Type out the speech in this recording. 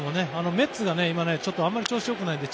メッツが今あまり調子がよくないので